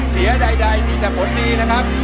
เสียใดมีแต่ผลดีนะครับ